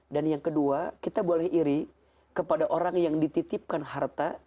dan yang kedua kita boleh iri kepada orang yang dititipkan harta